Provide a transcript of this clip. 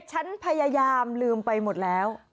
ฉันพยายามลืมไปหมดแล้ว